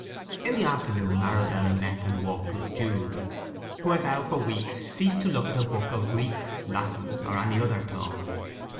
In the afternoon Arabella met and walked with Jude, who had now for weeks ceased to look into a book of Greek, Latin, or any other tongue.